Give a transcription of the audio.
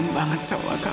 tidak tadi semuanya saya